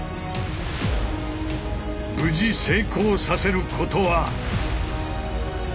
無事成功させることは。